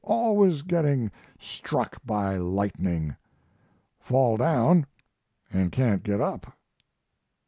Always getting struck by lightning. Fall down and can't get up.